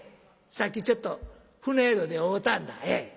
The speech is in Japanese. さっきちょっと船宿で会うたんだええ。